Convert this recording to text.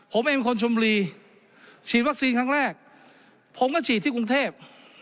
ผมเองเป็นคนชมบุรีฉีดวัคซีนครั้งแรกผมก็ฉีดที่กรุงเทพ